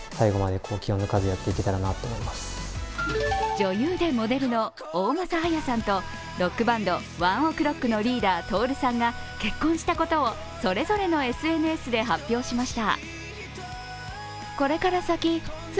女優でモデルの大政絢さんとロックバンド、ＯＮＥＯＫＲＯＣＫのリーダー、Ｔｏｒｕさんが結婚したことをそれぞれのＳＮＳで発表しました。